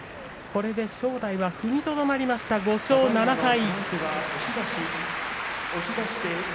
これで正代が踏みとどまりました５勝７敗。